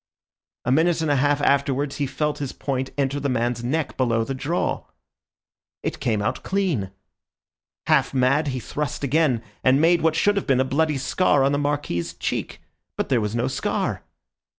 A minute and a half afterwards he felt his point enter the man's neck below the jaw. It came out clean. Half mad, he thrust again, and made what should have been a bloody scar on the Marquis's cheek. But there was no scar.